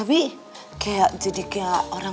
bi boynya udah pulang